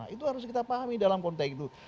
itu harus kita pahami dalam konteks itu